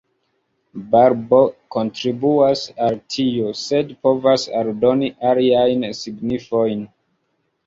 Barbo kontribuas al tio, sed povas aldoni aliajn signifojn.